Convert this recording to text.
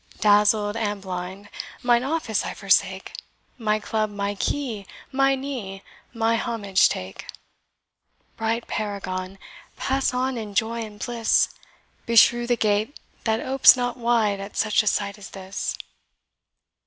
Dazzled and blind, mine office I forsake, My club, my key, my knee, my homage take. Bright paragon, pass on in joy and bliss; Beshrew the gate that opes not wide at such a sight as this!"